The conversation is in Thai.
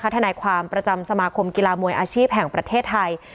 ทนายความประจำสมาคมกีฬามวยอาชีพแห่งประเทศไทย